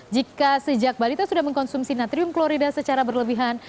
jika sejak balita sudah mengkonsumsi natrium klorida secara berlebihan